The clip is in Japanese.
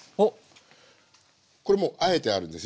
これもうあえてあるんです。